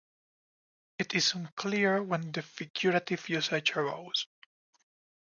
It is unclear when the figurative usage arose.